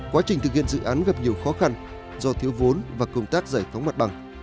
quá trình thực hiện dự án gặp nhiều khó khăn do thiếu vốn và công tác giải phóng mặt bằng